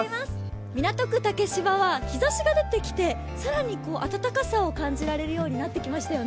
港区竹芝は日ざしが出てきて更に暖かさを感じられるようになってきましたよね。